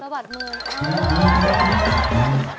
สะบัดมือ